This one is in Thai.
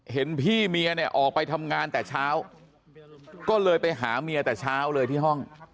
เห็นพี่เมียเนี่ยออกไปทำงานแต่เช้าก็เลยไปหาเมียแต่เช้าเลยที่ห้อง